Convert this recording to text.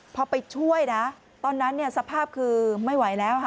พอไปช่วยนะตอนนั้นสภาพคือไม่ไหวแล้ว